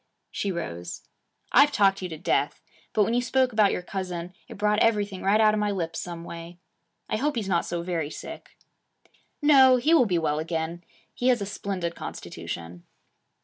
She rose. 'I've talked you to death. But when you spoke about your cousin, it brought everything right out of my lips some way. I hope he's not so very sick.' 'No. He will be well again. He has a splendid constitution.'